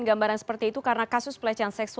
dan ini hanya sebagian